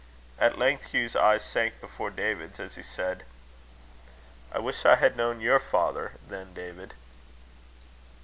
At length Hugh's eye sank before David's, as he said: "I wish I had known your father, then, David."